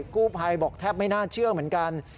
กู้ภัยบอกแทบไม่น่าเชื่อเหมือนกัน